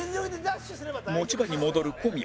持ち場に戻る小宮